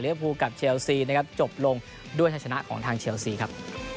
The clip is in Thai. เรื้อภูกาเจลซีนะครับจบลงด้วยชนะของทางเจลซีครับ